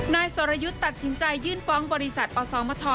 นายสรยุทธ์ตัดสินใจยื่นฟ้องบริษัทอสมท